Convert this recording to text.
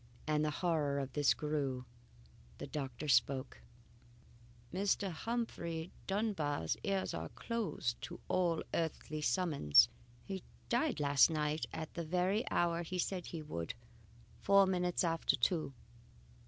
As the horror of this grew, the doctor spoke: "Mr. Humphrey Dunbar's ears are closed to all earthly summons. He died last night at the very hour he said he would four minutes after two."